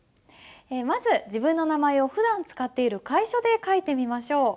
まず自分の名前をふだん使っている楷書で書いてみましょう。